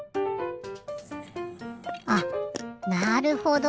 あなるほど。